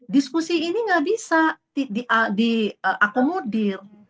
diskusi ini nggak bisa diakomodir